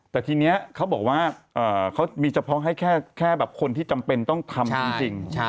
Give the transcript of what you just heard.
แต่ทีนี้เขาบอกว่าเขามีเฉพาะให้แค่คนที่จำเป็นต้องทำจริง